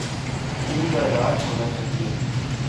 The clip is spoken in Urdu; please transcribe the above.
ان کا علاج ہونا چاہیے۔